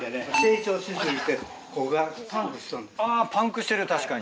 あぁパンクしてる確かに。